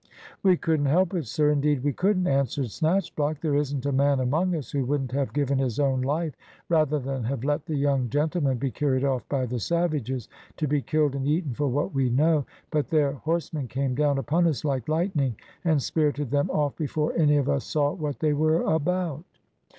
"We couldn't help it, sir! indeed we couldn't!" answered Snatchblock. "There isn't a man among us who wouldn't have given his own life rather than have let the young gentlemen be carried off by the savages, to be killed and eaten for what we know, but their horsemen came down upon us like lightning, and spirited them off before any of us saw what they were about."